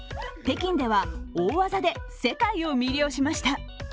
北京では大技で世界を魅了しました。